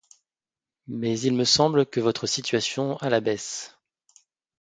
Mais il me semble que votre situation à la baisse.